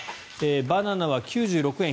バナナは１房９６円。